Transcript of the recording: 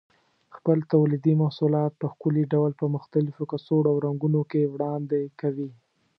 خپل تولیدي محصولات په ښکلي ډول په مختلفو کڅوړو او رنګونو کې وړاندې کوي.